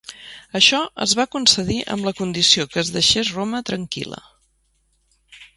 Això es va concedir amb la condició que es deixés Roma tranquil·la.